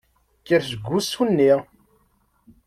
Kker seg wusu-nni.